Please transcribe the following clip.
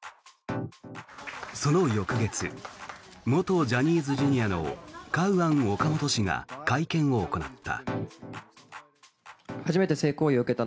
その翌月、元ジャニーズＪｒ．のカウアン・オカモト氏が会見を行った。